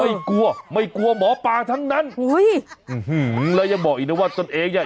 ไม่กลัวไม่กลัวหมอปลาทั้งนั้นอุ้ยแล้วยังบอกอีกนะว่าตนเองอ่ะ